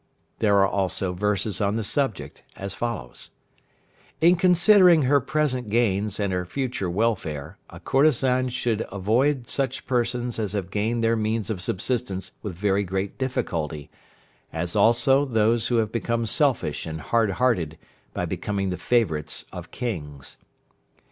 There are also verses on the subject as follows: "In considering her present gains, and her future welfare, a courtesan should avoid such persons as have gained their means of subsistence with very great difficulty, as also those who have become selfish and hard hearted by becoming the favourites of Kings."